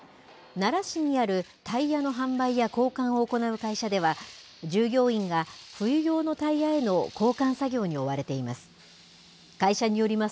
奈良市にあるタイヤの販売や交換を行う会社では、従業員が冬用のタイヤへの交換作業に追われています。